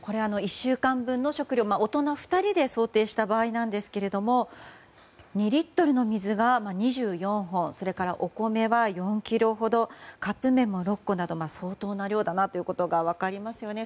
１週間分の食料大人２人で想定した場合は２リットルの水が２４本それから、お米は４ｋｇほどカップ麺も６個など相当な量だと分かりますよね。